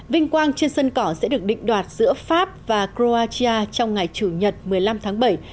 vinh quang trên sân cỏ sẽ được định đoạt giữa pháp và kroatia trong ngày chủ nhật một mươi năm tháng bảy